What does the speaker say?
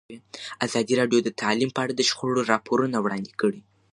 ازادي راډیو د تعلیم په اړه د شخړو راپورونه وړاندې کړي.